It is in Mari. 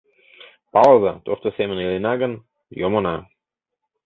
Палыза: тошто семын илена гын, йомына.